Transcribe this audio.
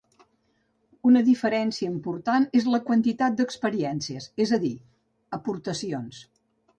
Una diferència important és la quantitat d'experiències, és a dir, aportacions.